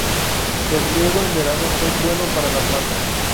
El riego en verano es bueno para la planta.